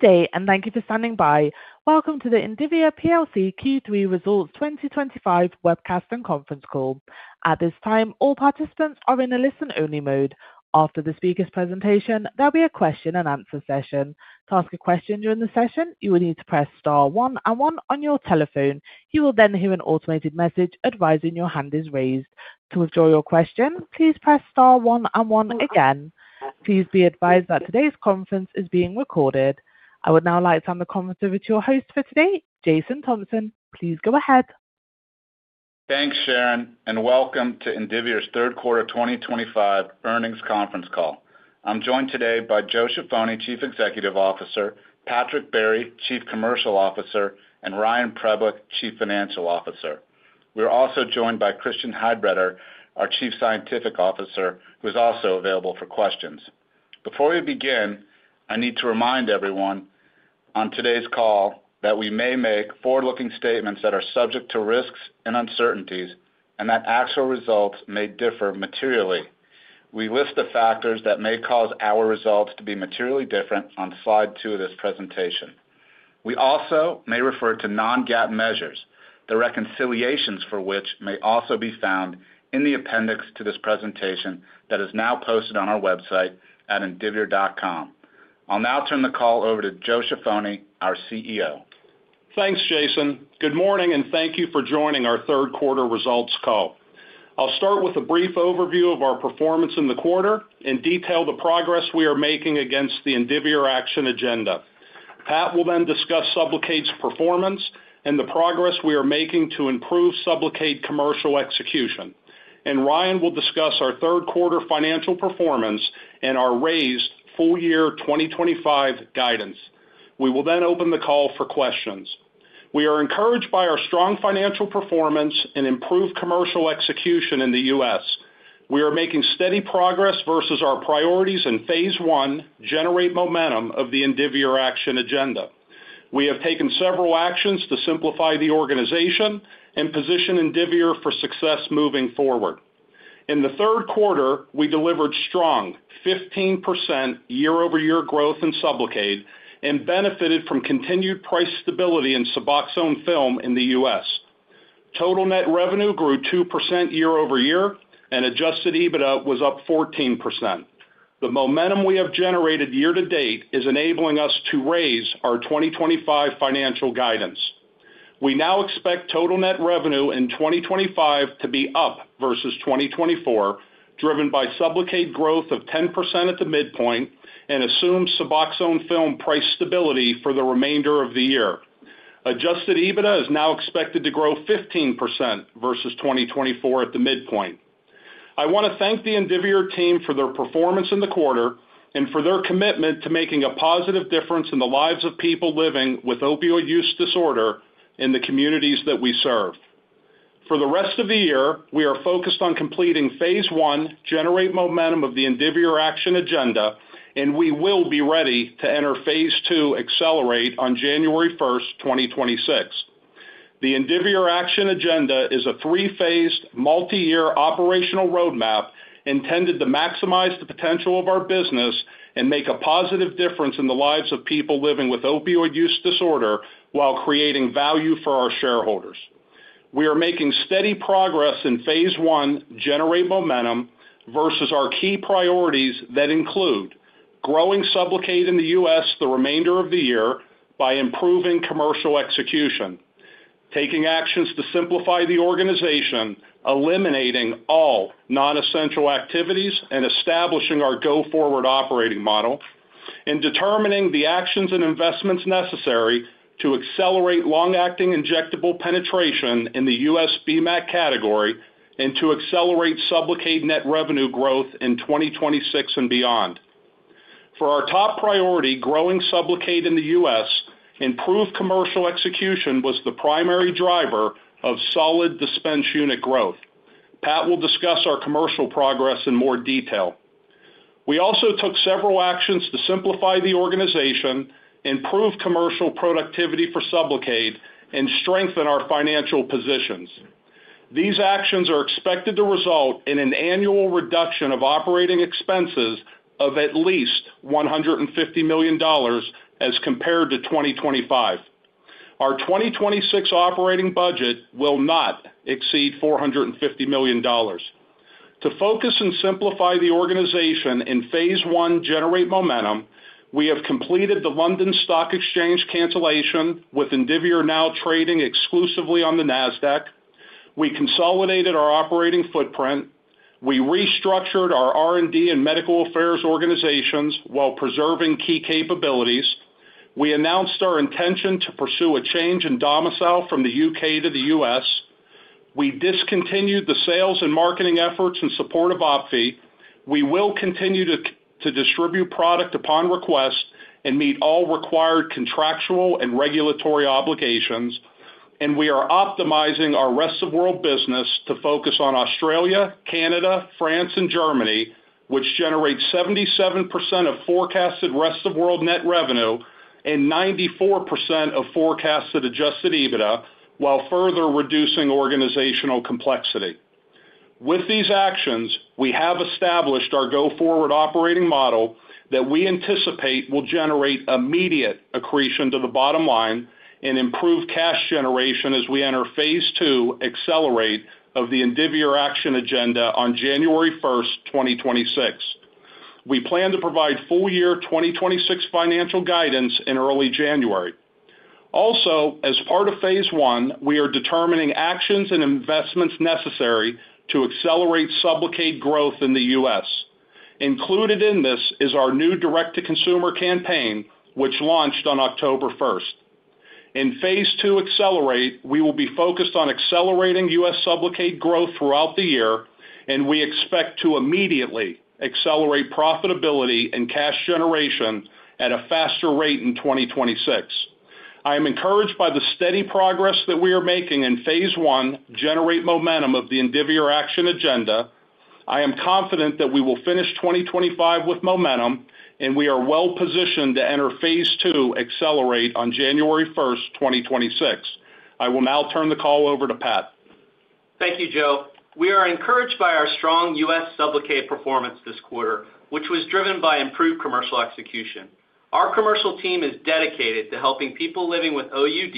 Good day and thank you for standing by. Welcome to the Indivior PLC Q3 results 2025 webcast and conference call. At this time, all participants are in a listen-only mode. After the speaker's presentation, there will be a question and answer session. To ask a question during the session, you will need to press star one and one on your telephone. You will then hear an automated message advising your hand is raised. To withdraw your question, please press star one and one again. Please be advised that today's conference is being recorded. I would now like to hand the conference over to your host for today, Jason Thompson. Please go ahead. Thanks Sharon and welcome to Indivior's third quarter 2025 earnings conference call. I'm joined today by Joseph Ciaffoni, Chief Executive Officer, Patrick Barry, Chief Commercial Officer, and Ryan Preblick, Chief Financial Officer. We are also joined by Christian Heidbreder, our Chief Scientific Officer, who is also available for questions. Before we begin, I need to remind everyone on today's call that we may make forward-looking statements that are subject to risks and uncertainties and that actual results may differ materially. We list the factors that may cause our results to be materially different on slide two of this presentation. We also may refer to non-GAAP measures, the reconciliations for which may also be found in the appendix to this presentation that is now posted on our website at indivior.com. I'll now turn the call over to Joseph Ciaffoni, our CEO. Thanks, Jason. Good morning and thank you for joining our third quarter results call. I'll start with a brief overview of our performance in the quarter and detail the progress we are making against the Indivior Action Agenda. Pat will then discuss SUBLOCADE's performance and the progress we are making to improve SUBLOCADE commercial execution, and Ryan will discuss our third quarter financial performance and our raised full-year 2025 guidance. We will then open the call for questions. We are encouraged by our strong financial performance and improved commercial execution in the U.S. We are making steady progress versus our priorities in Phase One Generate Momentum of the Indivior Action Agenda. We have taken several actions to simplify the organization and position Indivior for success moving forward. In the third quarter, we delivered strong 15% year-over-year growth in SUBLOCADE and benefited from continued price stability in SUBOXONE Film. In the U.S., total net revenue grew 2% year-over-year and adjusted EBITDA was up 14%. The momentum we have generated year to date is enabling us to raise our 2025 financial guidance. We now expect total net revenue in 2025 to be up versus 2024, driven by SUBLOCADE growth of 10% at the midpoint and assumed SUBOXONE Film price stability for the remainder of the year. Adjusted EBITDA is now expected to grow 15% versus 2024 at the midpoint. I want to thank the Indivior team for their performance in the quarter and for their commitment to making a positive difference in the lives of people living with opioid use disorder in the communities that we serve. For the rest of the year, we are focused on completing phase 1 Generate Momentum of the Indivior Action Agenda, and we will be ready to enter phase 2 Accelerate on January 1, 2026. The Indivior Action Agenda is a three-phased multi-year operational roadmap intended to maximize the potential of our business and make a positive difference in the lives of people living with opioid use disorder while creating value for our shareholders. We are making steady progress in phase 1 "Generate Momentum" versus our key priorities that include growing SUBLOCADE in the U.S. the remainder of the year by improving commercial execution, taking actions to simplify the organization, eliminating all nonessential activities, establishing our go forward operating model, and determining the actions and investments necessary to accelerate long-acting injectable penetration in the U.S. BMAC category and to accelerate SUBLOCADE net revenue growth in 2026 and beyond. For our top priority, growing SUBLOCADE in the U.S., improved commercial execution was the primary driver of solid dispense unit growth. Patrick Barry will discuss our commercial progress in more detail. We also took several actions to simplify the organization, improve commercial productivity for SUBLOCADE, and strengthen our financial positions. These actions are expected to result in an annual reduction of operating expenses of at least $150 million as compared to 2025. Our 2026 operating budget will not exceed $450 million. To focus and simplify the organization in Phase One "Generate Momentum," we have completed the London Stock Exchange cancellation with Indivior now trading exclusively on the NASDAQ. We consolidated our operating footprint. We restructured our R&D and medical affairs organizations while preserving key capabilities. We announced our intention to pursue a change in domicile from the U,.K. to the U.S. We discontinued the sales and marketing efforts in support of OPVEE. We will continue to distribute product upon request and meet all required contractual and regulatory obligations, and we are optimizing our rest of world business to focus on Australia, Canada, France, and Germany, which generates 77% of forecasted rest of world net revenue and 94% of forecasted adjusted EBITDA while further reducing organizational complexity. With these actions, we have established our go forward operating model that we anticipate will generate immediate accretion to the bottom line and improve cash generation as we enter phase 2 "Accelerate" of the Indivior Action Agenda on January 1st, 2026. We plan to provide full-year 2026 financial guidance in early January. Also, as part of phase 1, we are determining actions and investments necessary to accelerate SUBLOCADE growth in the U.S. Included in this is our new direct-to-consumer campaign, which launched on October 1st. In phase 2 Accelerate, we will be focused on accelerating U.S. SUBLOCADE growth throughout the year, and we expect to immediately accelerate profitability and cash generation at a faster rate in 2026. I am encouraged by the steady progress that we are making in phase 1 Generate Momentum of the Indivior Action Agenda. I am confident that we will finish 2025 with momentum, and we are well positioned to enter phase 2 Accelerate on January 1, 2026. I will now turn the call over to Pat. Thank you Joe. We are encouraged by our strong U.S. SUBLOCADE performance this quarter, which was driven by improved commercial execution. Our commercial team is dedicated to helping people living with OUD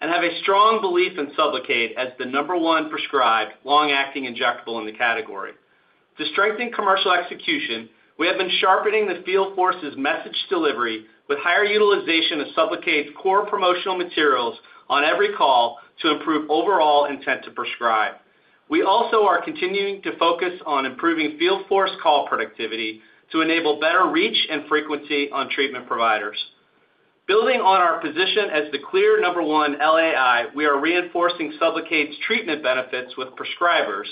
and have a strong belief in SUBLOCADE as the number one prescribed long-acting injectable in the category. To strengthen commercial execution, we have been sharpening the field force's message delivery with higher utilization of SUBLOCADE's core promotional materials on every call to improve overall intent to prescribe. We also are continuing to focus on improving field force call productivity to enable better reach and frequency on treatment providers. Building on our position as the clear number one LAI, we are reinforcing SUBLOCADE's treatment benefits with prescribers,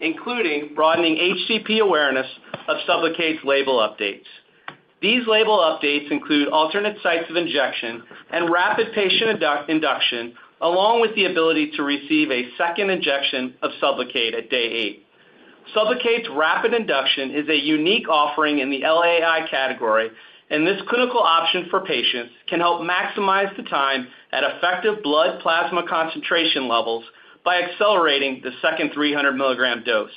including broadening HCP awareness of SUBLOCADE's label updates. These label updates include alternate injection sites and rapid patient induction, along with the ability to receive a second injection of SUBLOCADE at day eight. SUBLOCADE's rapid induction is a unique offering in the LAI category, and this clinical option for patients can help maximize the time at effective blood plasma concentration levels by accelerating the second 300 milligram dose.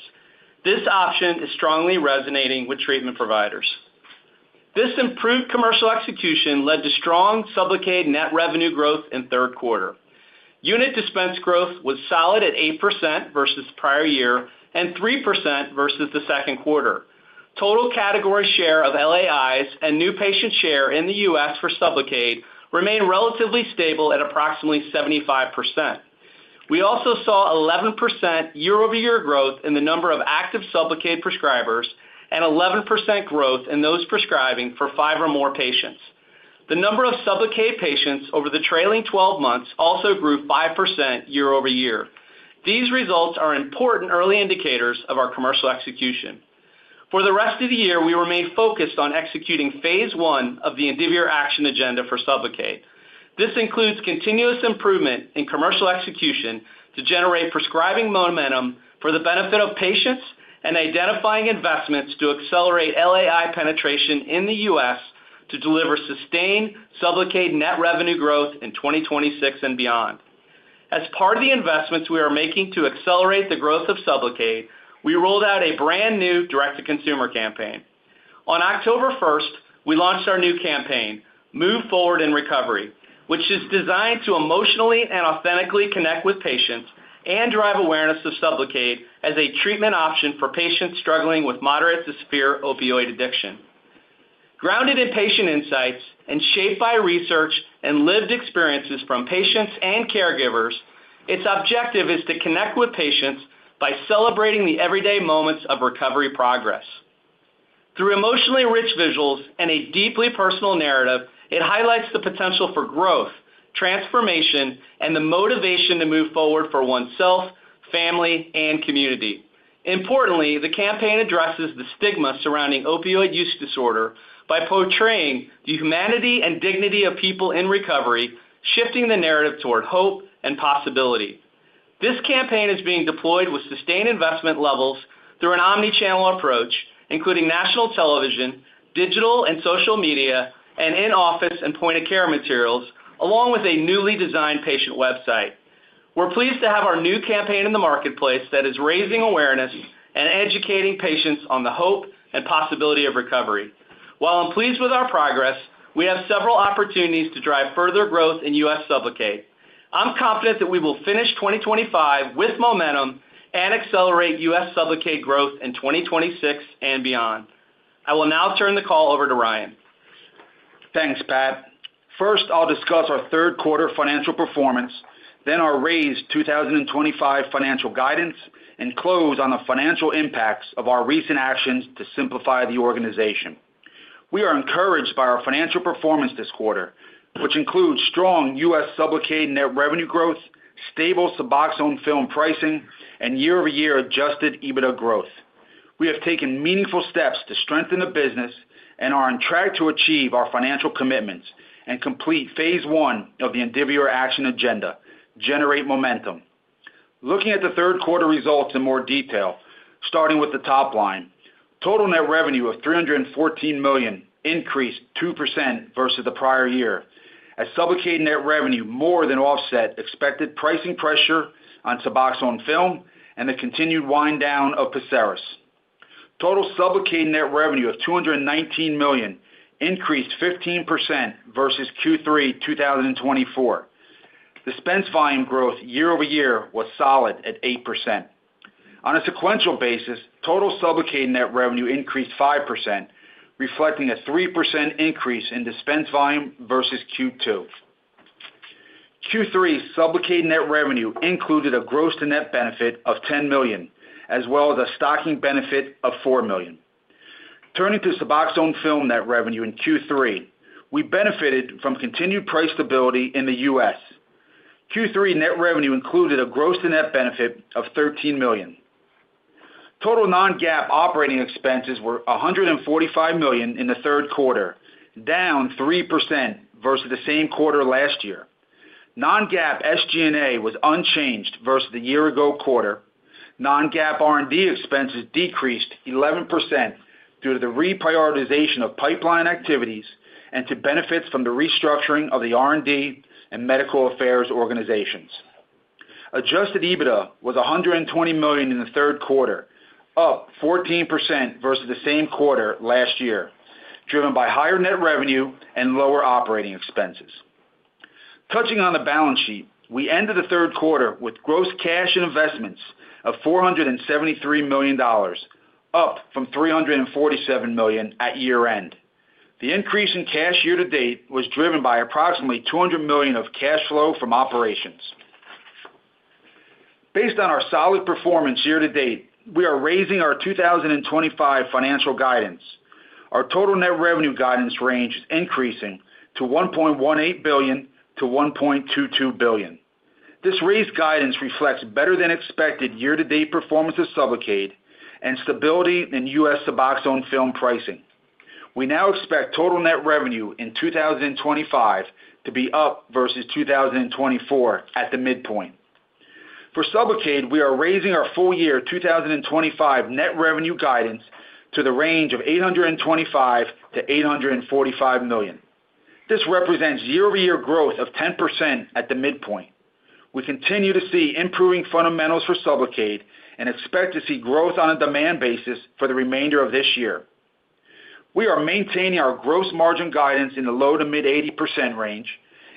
This option is strongly resonating with treatment providers. This improved commercial execution led to strong SUBLOCADE net revenue growth in the third quarter. Unit dispense growth was solid at 8% versus prior year and 3% versus the second quarter. Total category share of LAIs and new patient share in the U.S. for SUBLOCADE remain relatively stable at approximately 75%. We also saw 11% year-over-year growth in the number of active SUBLOCADE prescribers and 11% growth in those prescribing for five or more patients. The number of SUBLOCADE patients over the trailing 12 months also grew 5% year-over-year. These results are important early indicators of our commercial execution. For the rest of the year, we remain focused on executing Phase One of the Indivior Action Agenda for SUBLOCADE. This includes continuous improvement in commercial execution to generate prescribing momentum for the benefit of patients and identifying investments to accelerate LAI penetration in the U.S. to deliver sustained SUBLOCADE net revenue growth in 2026 and beyond. As part of the investments we are making to accelerate the growth of SUBLOCADE, we rolled out a brand new direct-to-consumer campaign. On October 1st, we launched our new campaign Move Forward in Recovery, which is designed to emotionally and authentically connect with patients and drive awareness of SUBLOCADE as a treatment option for patients struggling with moderate to severe opioid addiction. Grounded in patient insights and shaped by research and lived experiences from patients and caregivers, its objective is to connect with patients by celebrating the everyday moments of recovery progress through emotionally rich visuals and a deeply personal narrative. It highlights the potential for growth, transformation, and the motivation to move forward for oneself, family, and community. Importantly, the campaign addresses the stigma surrounding opioid use disorder by portraying the humanity and dignity of people in recovery, shifting the narrative toward hope and possibility. This campaign is being deployed with sustained investment levels through an omnichannel approach, including national television, digital and social media, and in-office and point-of-care materials, along with a newly designed patient website. We're pleased to have our new campaign in the marketplace that is raising awareness and educating patients on the hope and possibility of recovery. While I'm pleased with our progress, we have several opportunities to drive further growth in U.S. SUBLOCADE. I'm confident that we will finish 2025 with momentum and accelerate U.S. SUBLOCADE growth in 2026 and beyond. I will now turn the call over to Ryan. Thanks Pat. First I'll discuss our third quarter financial performance, then our raised 2025 financial guidance and close on the financial impacts of our recent actions to simplify the organization. We are encouraged by our financial performance this quarter, which includes strong U.S. SUBLOCADE net revenue growth, stable SUBOXONE Film pricing, and year-over-year adjusted EBITDA growth. We have taken meaningful steps to strengthen the business and are on track to achieve our financial commitments and complete phase 1 of the Indivior Action Agenda, Generate Momentum. Looking at the third quarter results in more detail, starting with the top line, total net revenue of $314 million increased 2% versus the prior year as SUBLOCADE net revenue more than offset expected pricing pressure on SUBOXONE Film and the continued wind down of PERSERIS. Total SUBLOCADE net revenue of $219 million increased 15% versus Q3 2023. Dispense volume growth year-over-year was solid at 8%. On a sequential basis, total SUBLOCADE net revenue increased 5%, reflecting a 3% increase in dispense volume versus Q2. Q3 SUBLOCADE net revenue included a gross to net benefit of $10 million as well as a stocking benefit of $4 million. Turning to SUBOXONE Film net revenue in Q3, we benefited from continued price stability in the U.S. Q3 net revenue included a gross to net benefit of $13 million. Total non-GAAP operating expenses were $145 million in the third quarter, down 3% versus the same quarter last year. Non-GAAP SG&A was unchanged versus the year ago quarter. Non-GAAP R&D expenses decreased 11% due to the reprioritization of pipeline activities and to benefits from the restructuring of the R&D and medical affairs organizations. Adjusted EBITDA was $120 million in the third quarter, up 14% versus the same quarter last year, driven by higher net revenue and lower operating expenses. Touching on the balance sheet, we ended the third quarter with gross cash and investments of $473 million, up from $347 million at year end. The increase in cash year-to-date was driven by approximately $200 million of cash flow from operations. Based on our solid performance year-to-date, we are raising our 2025 financial guidance. Our total net revenue guidance range is increasing to $1.18 billion-$1.22 billion. This raised guidance reflects better than expected year to date performance of SUBLOCADE and stability in U.S. SUBOXONE Film pricing. We now expect total net revenue in 2025 to be up versus 2024 at the midpoint. For SUBLOCADE, we are raising our full-year 2025 net revenue guidance to the range of $825 million to $845 million. This represents year-over-year growth of 10% at the midpoint. We continue to see improving fundamentals for SUBLOCADE and expect to see growth on a demand basis for the remainder of this year. We are maintaining our gross margin guidance in the low to mid-80% range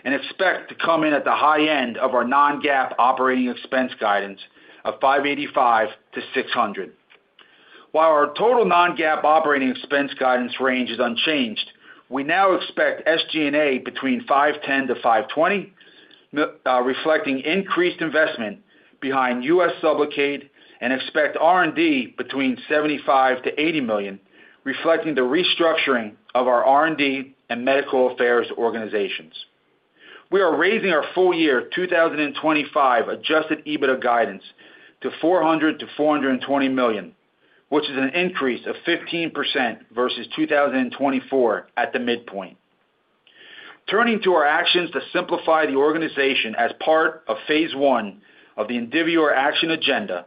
and expect to come in at the high end of our non-GAAP operating expense guidance of $585 million to $600 million, while our total non-GAAP operating expense guidance range is unchanged. We now expect SG&A between $510 million to $520 million, reflecting increased investment behind SUBLOCADE, and expect R&D between $75 million to $80 million, reflecting the restructuring of our R&D and medical affairs organizations. We are raising our full-year 2025 adjusted EBITDA guidance to $400 million-$420 million, which is an increase of 15% versus 2024 at the midpoint. Turning to our actions to simplify the organization as part of phase 1 of the Indivior Action Agenda,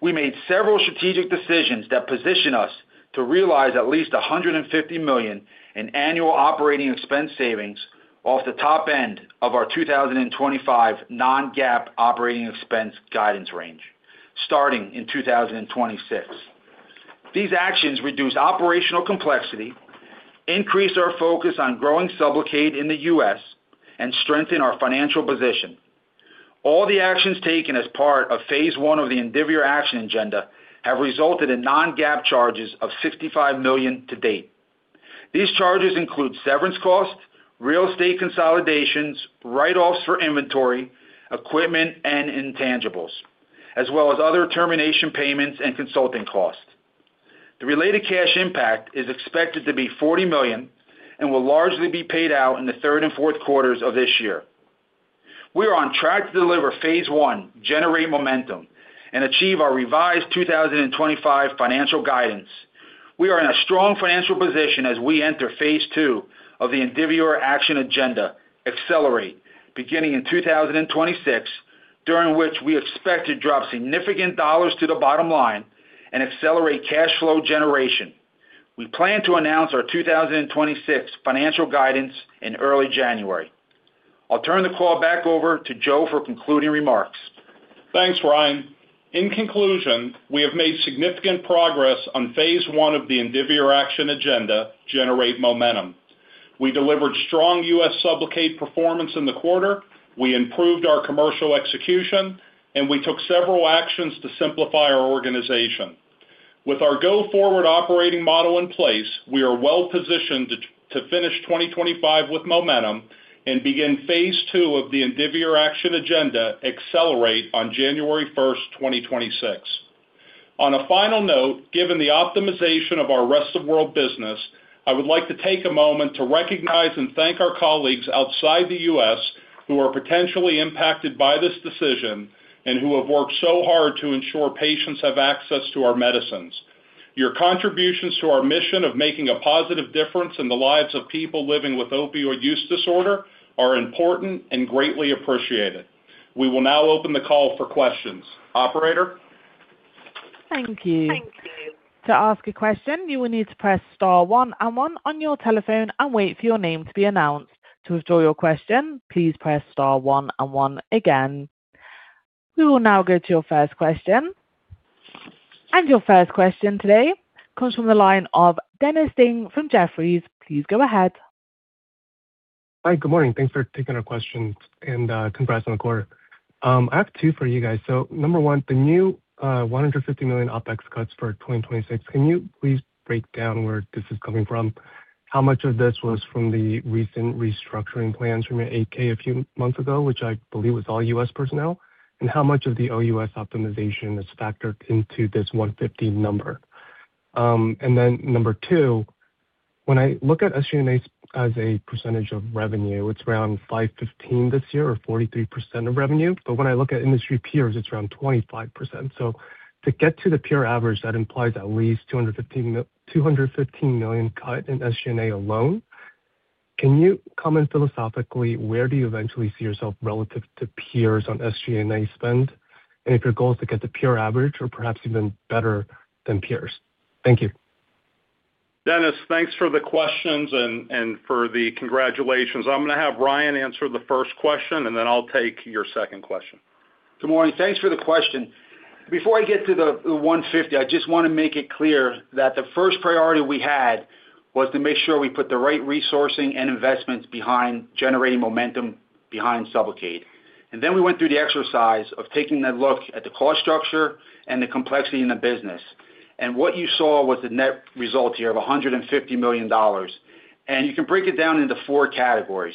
we made several strategic decisions that position us to realize at least $150 million in annual operating expense savings off the top end of our 2025 non-GAAP operating expense guidance range starting in 2026. These actions reduce operational complexity, increase our focus on growing SUBLOCADE in the U.S., and strengthen our financial position. All the actions taken as part of phase 1 of the Indivior Action Agenda have resulted in non-GAAP charges of $65 million to date. These charges include severance costs, real estate consolidations, write-offs for inventory, equipment, and intangibles, as well as other termination payments and consulting costs. The related cash impact is expected to be $40 million and will largely be paid out in the third and fourth quarters of this year. We are on track to deliver phase 1, Generate Momentum, and achieve our revised 2025 financial guidance. We are in a strong financial position as we enter phase 2 of the Indivior Action Agenda, Accelerate, beginning in 2026, during which we expect to drop significant dollars to the bottom line and accelerate cash flow generation. We plan to announce our 2026 financial guidance in early January. I'll turn the call back over to Joe for concluding remarks. Thanks, Ryan. In conclusion, we have made significant progress on phase 1 of the Indivior Action Agenda Generate Momentum. We delivered strong U.S. SUBLOCADE performance in the quarter, we improved our commercial execution, and we took several actions to simplify our organization. With our go-forward operating model in place, we are well positioned to finish 2025 with momentum and begin phase 2 of the Indivior Action Agenda Accelerate on January 1, 2026. On a final note, given the optimization of our rest of world business, I would like to take a moment to recognize and thank our colleagues outside the U.S. who are potentially impacted by this decision and who have worked so hard to ensure patients have access to our medicines. Your contributions to our mission of making a positive difference in the lives of people living with opioid use disorder are important and greatly appreciated. We will now open the call for questions. Operator. Thank you. To ask a question, you will need to press star one and one on your telephone and wait for your name to be announced. To withdraw your question, please press star one and one again. We will now go to your first question. Your first question today comes from the line of Dennis Ding from Jefferies. Please go ahead. Hi, good morning. Thanks for taking our question and congrats on the quarter. I have two for you guys. Number one, the new $150 million OpEx cuts for 2026. Can you please break down where this is coming from? How much of this was from the recent restructuring plans from your 8-K a few months ago, which I believe was all U.S. personnel? How much of the OUS optimization is factored into this $150 million number? Number two, when I look at SG&A as a percentage of revenue, it's around $515 million this year or 43% of revenue. When I look at industry peers, it's around 25%. To get to the peer average, that implies at least a $215 million cut in SG&A alone. Can you comment philosophically? Where do you eventually see yourself relative to peers on SG&A spending and if your goal is to get to the peer average or perhaps even better than peers? Thank you. Dennis. Thanks for the questions and for the congratulations. I'm going to have Ryan answer the first question, and then I'll take your second question. Good morning. Thanks for the question. Before I get to the $150 million, I just want to make it clear that the first priority we had was to make sure we put the right resourcing and investments behind generating momentum behind SUBLOCADE. We went through the exercise of taking a look at the cost structure and the complexity in the business. What you saw was the net result here of $150 million. You can break it down into four categories.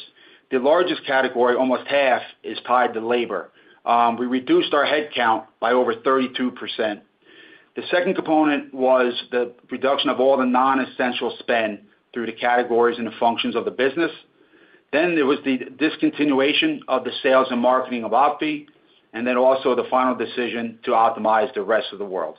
The largest category, almost half, is tied to labor. We reduced our headcount by over 32%. The second component was the reduction of all the non-essential spend through the categories and the functions of the business. There was the discontinuation of the sales and marketing of OPVEE, and also the final decision to optimize the rest of the world.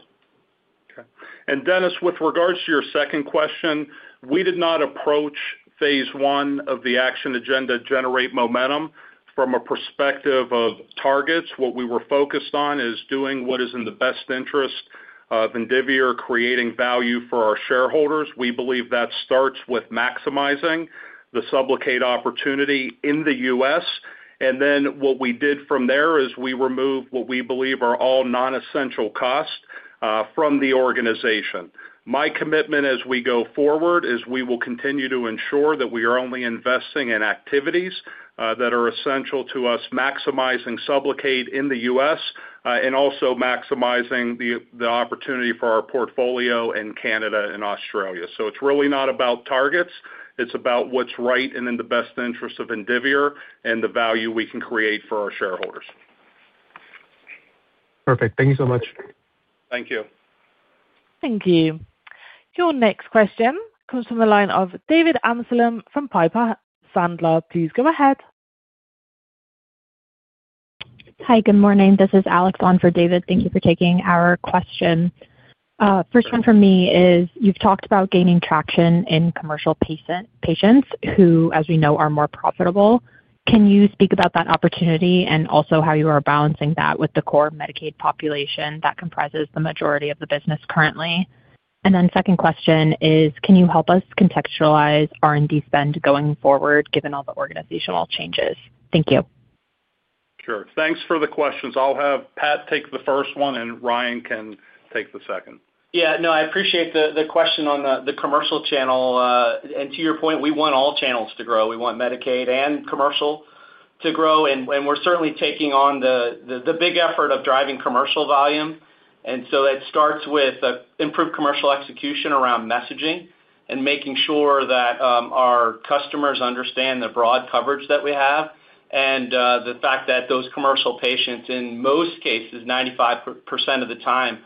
Dennis, with regards to your second question, we did not approach Phase One of the Action Agenda, Generate Momentum, from a perspective of targets. What we were focused on is doing what is in the best interest of Indivior and creating value for our shareholders. We believe that starts with maximizing the SUBLOCADE opportunity in the U.S., and then what we did from there is we removed what we believe are all non-essential costs from the organization. My commitment as we go forward is we will continue to ensure that we are only investing in activities that are essential to us maximizing SUBLOCADE in the U.S. and also maximizing the opportunity for our portfolio in Canada and Australia. It is really not about targets, it is about what is right and in the best interest of Indivior and the value we can create for our shareholders. Perfect. Thank you so much. Thank you. Thank you. Your next question comes from the line of David Anselm from Piper Sandler. Please go ahead. Hi, good morning, this is Alex on for David. Thank you for taking our question. First one for me is you've talked about gaining traction in commercial patients who as we know are more profitable. Can you speak about that opportunity and also how you are balancing that with the core Medicaid population that comprises the majority of the business currently? Second question is can you help us contextualize R&D spend going forward given all the organizational changes? Thank you. Sure. Thanks for the questions. I'll have Pat take the first one and Ryan can take the second. Yeah, no, I appreciate the question on the commercial channel and to your point, we want all channels to grow. We want Medicaid and commercial to grow. We're certainly taking on the big effort of driving commercial volume. It starts with improved commercial execution around messaging and making sure that our customers understand the broad coverage that we have and the fact that those commercial patients in most cases, 95% of the time,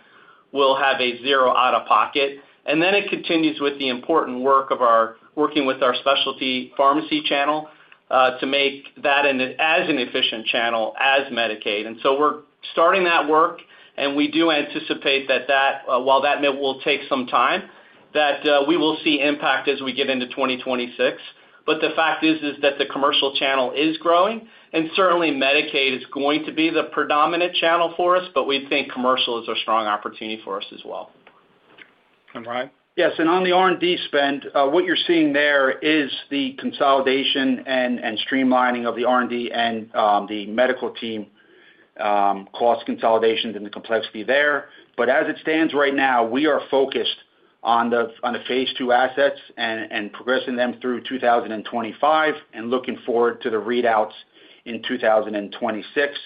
will have a zero out of pocket. It continues with the important work of our working with our specialty pharmacy channel to make that as an efficient channel as Medicaid. We're starting that work and we do anticipate that while that will take some time, we will see impact as we get into 2026. The fact is that the commercial channel is growing and certainly Medicaid is going to be the predominant channel for us. We think commercial is a strong opportunity for us as well. Ryan. Yes. On the R&D spend, what you're seeing there is the consolidation and streamlining of the R&D and the medical team, cost consolidations and the complexity there. As it stands right now, we are focused on the Phase Two assets and progressing them through 2025 and looking forward to the readouts in 2026.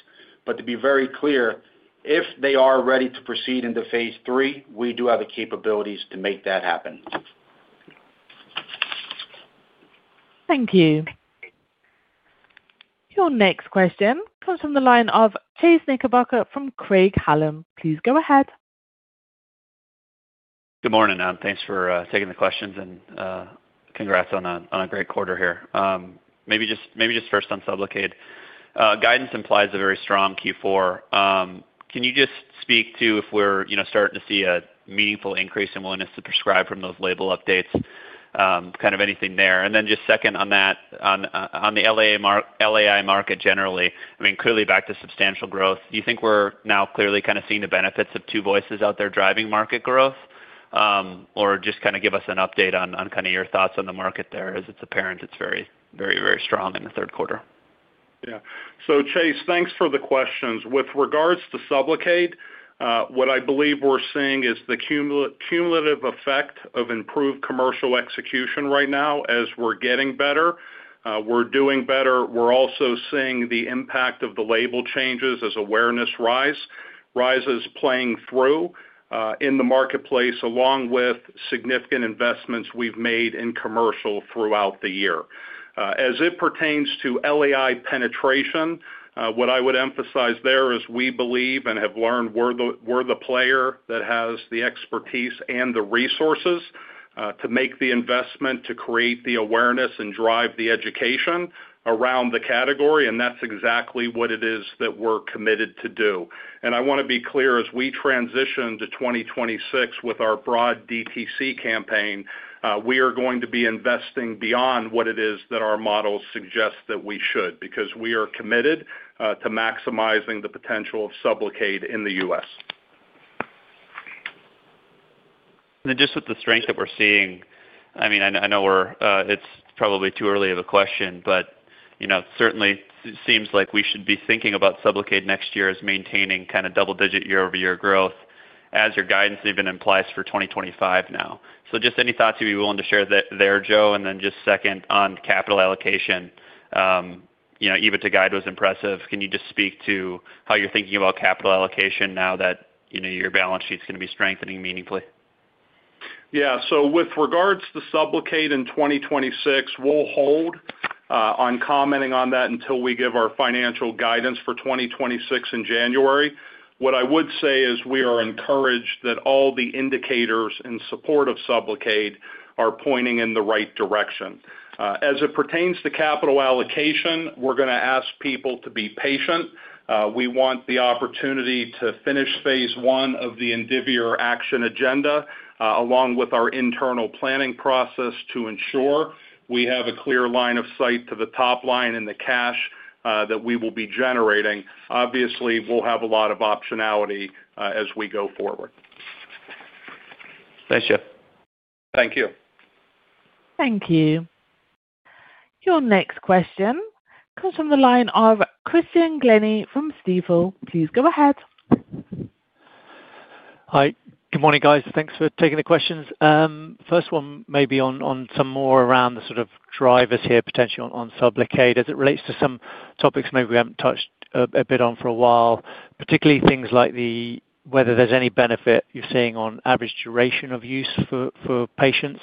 To be very clear, if they are ready to proceed into phase 3, we do have the capabilities to make that happen. Thank you. Your next question comes from the line of Chase Knickerbocker from Craig-Hallum. Please go ahead. Good morning. Thanks for taking the questions and congrats on a great quarter here. Maybe just first on SUBLOCADE guidance implies a very strong Q4. Can you just speak to if we're starting to see a meaningful increase in willingness to prescribe from those label updates? Anything there and then just second on that on the LAI market generally, I mean clearly back to substantial growth. Do you think we're now clearly kind of seeing the benefits of two voices out there driving market growth or just give us an update on your thoughts on the market there. As it's apparent it's very, very, very strong in the third quarter. Yes. Chase, thanks for the questions. With regards to SUBLOCADE, what I believe we're seeing is the cumulative effect of improved commercial execution right now. As we're getting better, we're doing better. We're also seeing the impact of the label changes as awareness rises, playing through in the marketplace along with significant investments we've made in commercial throughout the year. As it pertains to LAI penetration, what I would emphasize there is we believe and have learned we're the player that has the expertise and the resources to make the investment to create the awareness and drive the education around the category. That's exactly what it is that we're committed to do. I want to be clear, as we transition to 2026 with our broad direct-to-consumer campaign, we are going to be investing beyond what it is that our models suggest that we should because we are committed to maximizing the potential of SUBLOCADE in the U.S. Just with the strength that we're seeing, I mean, I know it's probably too early of a question, but you know, certainly it seems like we should be thinking about SUBLOCADE next year as maintaining kind of double digit year-over-year growth as your guidance even implies for 2025 now. Just any thoughts you'd be willing to share there, Joe? Then just second on capital allocation, EBITDA guide was impressive. Can you just speak to how you're thinking about capital allocation now that your balance sheet is going to be strengthening meaningfully? Yeah. With regards to SUBLOCADE in 2026, we'll hold on commenting on that until we give our financial guidance for 2026 in January. What I would say is we are encouraged that all the indicators in support of SUBLOCADE are pointing in the right direction. As it pertains to capital allocation, we're going to ask people to be patient. We want the opportunity to finish phase 1 of the Indivior Action Agenda along with our internal planning process to ensure we have a clear line of sight to the top line and the cash that we will be generating. Obviously, we'll have a lot of optionality as we go forward. Thanks, Joe. Thank you. Thank you. Your next question comes from the line of Christian Glennie from Stifel. Please go ahead. Hi, good morning guys. Thanks for taking the questions first. One maybe on some more around the sort of drivers here potentially on SUBLOCADE as it relates to some topics maybe we haven't touched a bit on for a while, particularly things like whether there's any benefit you're seeing on average duration of use for patients,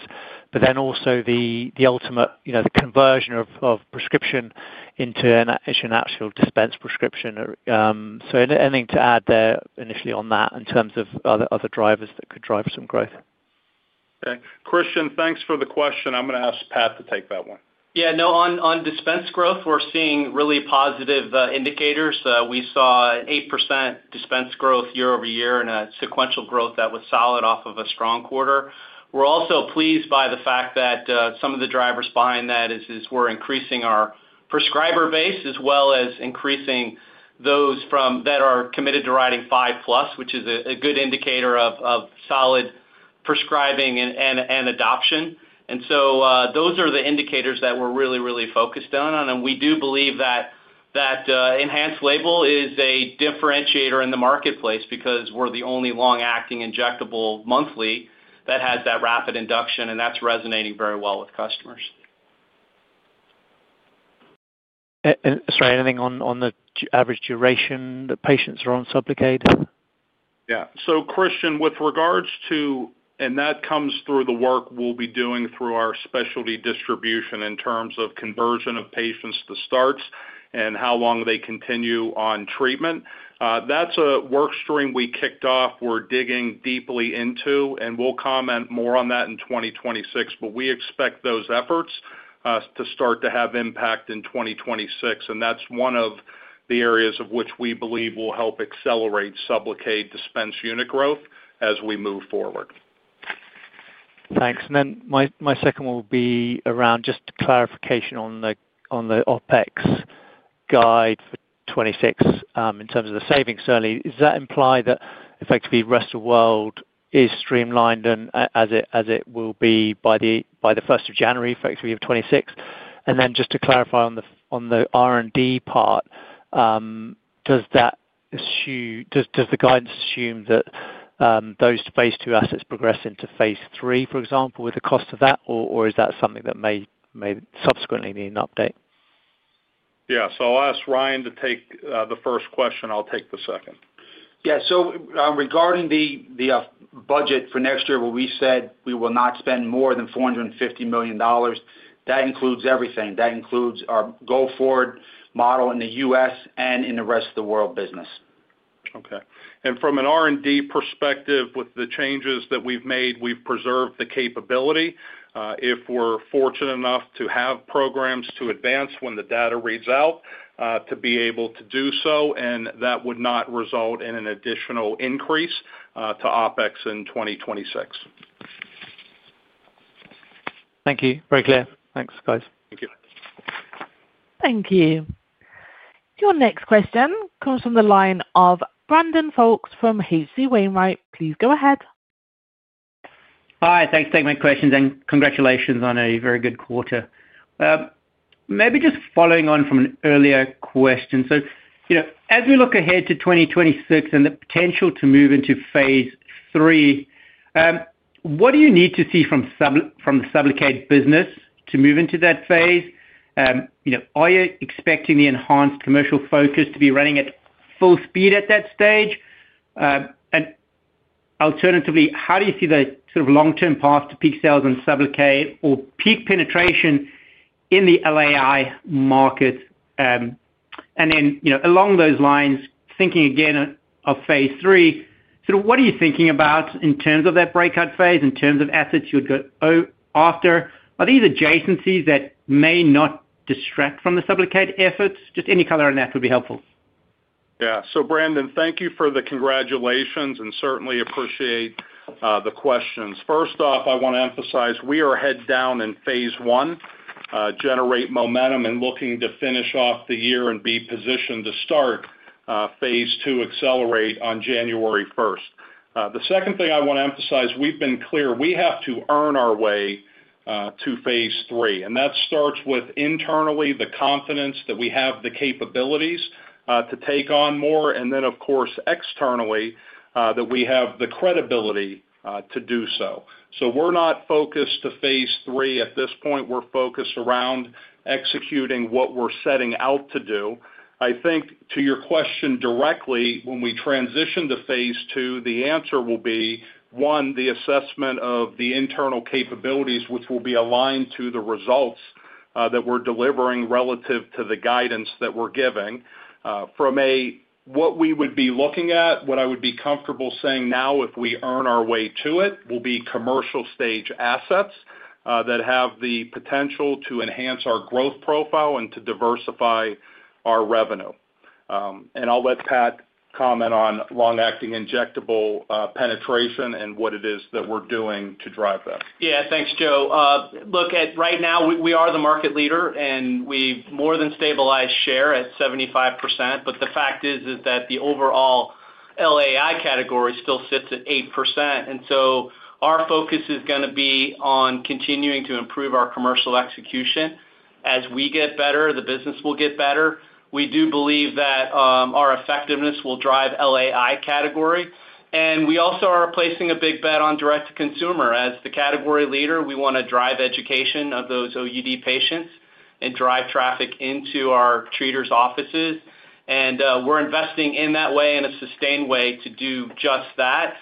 but then also the ultimate conversion of prescription into an actual dispensed prescription. Anything to add there initially on that in terms of other drivers that could drive some growth? Christian, thanks for the question. I'm going to ask Pat to take that one. Yeah, no, on dispensed growth we're seeing really positive indicators. We saw 8% dispensed growth year-over-year and a sequential growth that was solid off of a strong quarter. We're also pleased by the fact that some of the drivers behind that is we're increasing our prescriber base as well as increasing those from that are committed to writing five plus, which is a good indicator of solid prescribing and adoption. Those are the indicators that we're really, really focused on. We do believe that enhanced label is a differentiator in the marketplace because we're the only long acting injectable monthly that has that rapid induction, and that's resonating very well with customers. Sorry, anything on the average duration that patients are on SUBLOCADE? Yeah. Christian, with regards to that, it comes through the work we'll be doing through our specialty distribution in terms of conversion of patients to starts and how long they continue on treatment. That's a work stream we kicked off, we're digging deeply into, and we'll comment more on that in 2026. We expect those efforts to start to have impact in 2026, and that's one of the areas which we believe will help accelerate SUBLOCADE dispensed unit growth as we move forward. Thanks. My second will be around clarification on the OpEx guide for 2026 in terms of the savings, certainly. Does that imply that effectively rest of world is streamlined as it will be by January 1, 2026? Just to clarify on the R&D part, does the guidance assume that those phase 2 assets progress into phase 3, for example, with the cost of that, or is that something that may subsequently need an update? I'll ask Ryan to take the first question. I'll take the second. Yeah. Regarding the budget for next year, what we said is we will not spend more than $450 million. That includes everything. That includes our go forward model in the U.S. and in the rest of the world business. Okay. From an R&D perspective, with the changes that we've made, we've preserved the capability, if we're fortunate enough to have programs to advance when the data reads out, to be able to do so. That would not result in an additional increase to OpEx in 2026. Thank you. Very clear. Thanks, guys. Thank you. Your next question comes from the line of Brandon Folkes from H.C. Wainwright. Please go ahead. Hi, thanks. Take my questions and congratulations on a very good quarter. Maybe just following on from an earlier question. As we look ahead to 2026 and the potential to move into phase 3, what do you need to see from the SUBLOCADE business to move into that phase? Are you expecting the enhanced commercial focus to be running at full speed at that stage? Alternatively, how do you see the long term path to peak sales and SUBLOCADE or peak penetration in the LAI market? Along those lines, thinking again of phase 3, what are you thinking about in terms of that breakout phase? In terms of assets you'd go after, are these adjacencies that may not distract from the SUBLOCADE efforts? Just any color on that would be helpful. Yeah. Brandon, thank you for the congratulations and certainly appreciate the questions. First off, I want to emphasize we are head down in phase 1, Generate Momentum, and looking to finish off the year and be positioned to startpPhase 2, Accelerate, on January 1st. The second thing I want to emphasize, we've been clear. We have to earn our way to phase 3, and that starts with internally the confidence that we have the capabilities to take on more, and then of course externally that we have the credibility to do so. We're not focused on phase 3 at this point; we're focused around executing what we're setting out to do. I think to your question directly, when we transition to phase 2, the answer will be, one, the assessment of the internal capabilities, which will be aligned to the results that we're delivering relative to the guidance that we're giving. From what we would be looking at, what I would be comfortable saying now, if we earn our way to it, will be commercial stage assets that have the potential to enhance our growth profile and to diversify our revenue. I'll let Pat comment on long-acting injectable penetration and what it is that we're doing to drive that. Yeah, thanks Joe. Right now we are the market leader and we more than stabilized share at 75%, but the fact is that the overall LAI category still sits at 8%, and so our focus is going to be on continuing to improve our commercial execution. As we get better, the business will get better. We do believe that our effectiveness will drive LAI category, and we also are placing a big bet on direct-to-consumer as the category leader. We want to drive education of those OUD patients and drive traffic into our treaters' offices, and we're investing in that way, in a sustained way to do just that.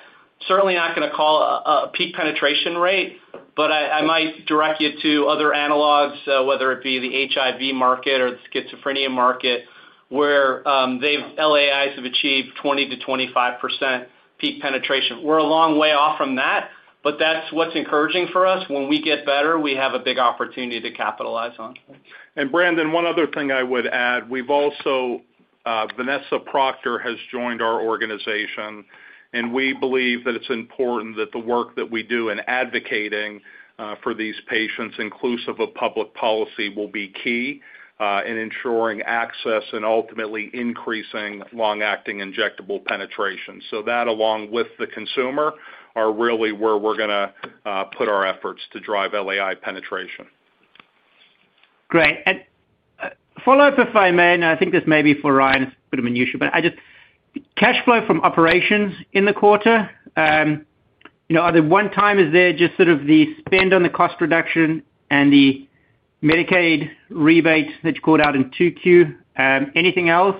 Certainly not going to call a peak penetration rate, but I might direct you to other analogs, whether it be the HIV market or the schizophrenia market, where LAIs have achieved 20%-25% peak penetration. We're a long way off from that, but that's what's encouraging for us. When we get better, we have a big opportunity to capitalize on. Brandon, one other thing I would add, we've also had Vanessa Proctor join our organization, and we believe that it's important that the work that we do in advocating for these patients, inclusive of public policy, will be key in ensuring access and ultimately increasing long acting injectable penetration. That, along with the consumer, are really where we're going to put our efforts to drive LAI penetration. Great. If I may follow up, and I think this may be for Ryan, it's a bit of minutiae, but just cash flow from operations in the quarter, the one-time, is there just sort of the spend on the cost reduction and the Medicaid rebate that you called out in Q2? Anything else?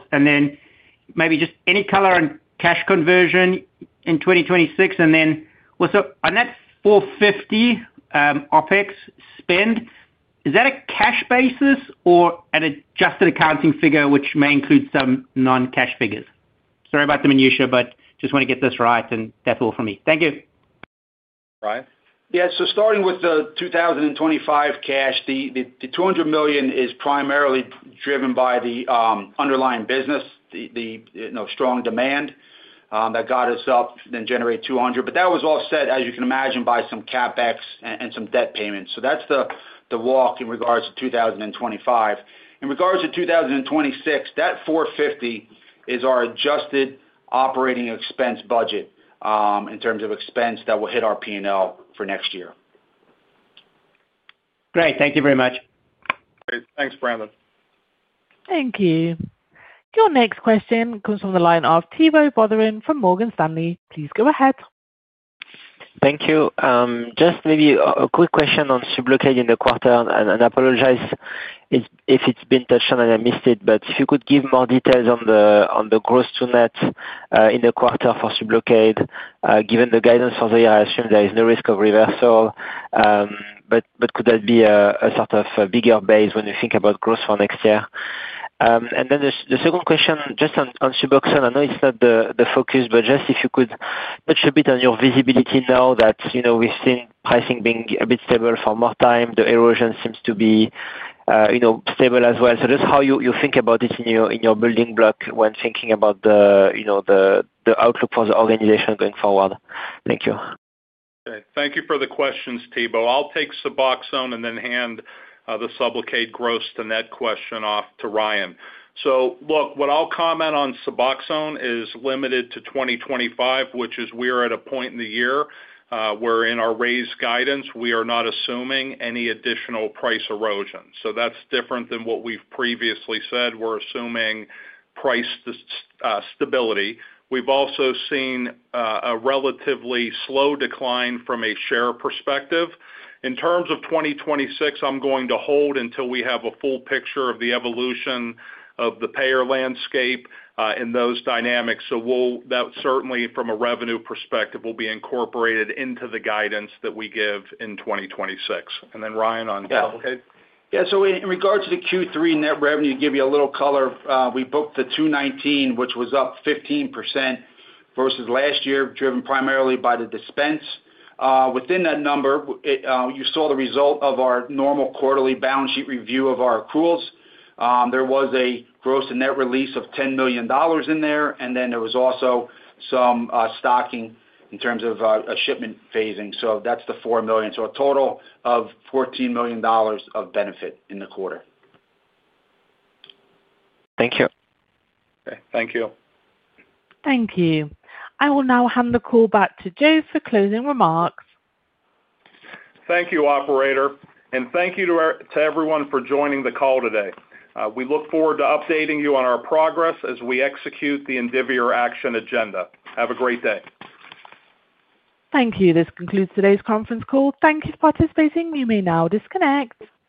Maybe just any color on cash conversion in 2026, and also, that $450 million OpEx spend, is that a cash basis or an adjusted accounting figure, which may include some non-cash figures? Sorry about the minutiae, but just want to get this right, and that's all for me. Thank you. Ryan. Yes. Starting with the 2025 cash, the $200 million is primarily driven by the underlying business. The strong demand that got us up then generate $200 million, but that was offset, as you can imagine, by some CapEx and some debt payments. That's the walk in regards to 2025. In regards to 2026, that $450 million is our adjusted operating expense budget in terms of expense that will hit our P&L for next year. Great, thank you very much. Thanks Brandon. Thank you. Your next question comes from the line of Thibault Boutherin from Morgan Stanley. Please go ahead. Thank you. Just maybe a quick question on SUBLOCADE in the quarter, and I apologize if it's been touched on and I missed it, but if you could give more details on the gross to net in the quarter for SUBLOCADE. Given the guidance for the year, I assume there is no risk of reversal, but could that be a sort of bigger base when you think about growth for next year? The second question just on SUBOXONE Film, I know it's not the focus, but just if you could touch a bit on your visibility now that we've seen pricing being a bit stable for more time. The erosion seems to be stable as well. That's how you think about it in your building block when thinking about the outlook for the organization going forward. Thank you. Thank you for the questions. Thibaut. I'll take SUBOXONE and then hand the SUBLOCADE gross to net question off to Ryan. What I'll comment on SUBOXONE is limited to 2025, which is we are at a point in the year where in our raised guidance we are not assuming any additional price erosion. That's different than what we've previously said. We're assuming price stability. We've also seen a relatively slow decline from a share perspective. In terms of 2026, I'm going to hold until we have a full picture of the evolution of the payer landscape and those dynamics. That certainly from a revenue perspective will be incorporated into the guidance that we give in 2026. Then Ryan on SUBLOCADE. Yeah, so in regards to the Q3 net revenue, to give you a little color, we booked the $219 million, which was up 15% versus last year, driven primarily by the dispense. Within that number, you saw the result of our normal quarterly balance sheet review of our accruals. There was a gross and net release of $10 million in there. There was also some stocking in terms of shipment phasing. That's the $4 million, so a total of $14 million of benefit in the quarter. Thank you. Thank you. Thank you. I will now hand the call back to Joe for closing remarks. Thank you, operator. Thank you to everyone for joining the call today. We look forward to updating you on our progress as we execute the Indivior Action Agenda. Have a great day. Thank you. This concludes today's conference call. Thank you for participating. You may now disconnect.